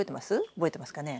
覚えてますかね？